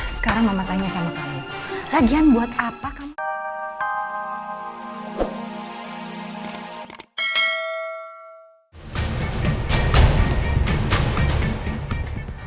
sekarang mama tanya sama kamu lagian buat apa kamu